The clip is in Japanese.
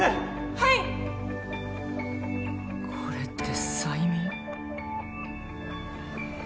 ・はいこれって催眠？